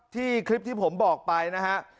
คลิปที่ผมบอกไปนะฮะ